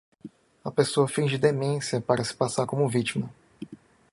A pessoa finge demência para se passar como vítima.